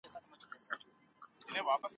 د هېواد اخلاق په څېړنې اغېز کوي.